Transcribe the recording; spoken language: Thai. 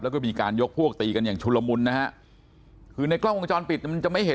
แล้วก็มีการยกพวกตีกันอย่างชุลมุนนะฮะคือในกล้องวงจรปิดมันจะไม่เห็น